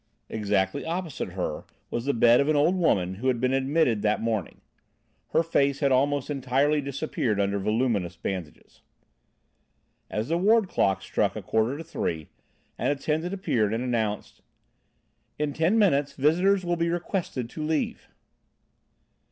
Exactly opposite her was the bed of an old woman who had been admitted that morning. Her face had almost entirely disappeared under voluminous bandages. As the ward clock struck a quarter to three, an attendant appeared and announced: "In ten minutes visitors will be requested to leave."